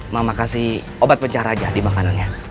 mama kasih obat pencara aja di makanannya